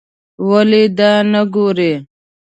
ولې دا نه ګورې.